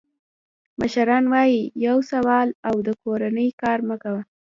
مشران وایي: یو سوال او د کونې کار مه کوه.